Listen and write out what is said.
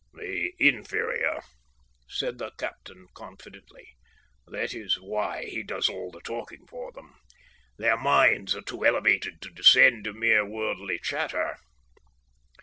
"The inferior," said the captain confidently. "That is why he does all the talking for them. Their minds are too elevated to descend to mere worldly chatter."